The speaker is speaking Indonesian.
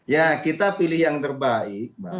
ya kita pilih yang terbaik mbak